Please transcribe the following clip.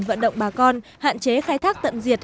vận động bà con hạn chế khai thác tận diệt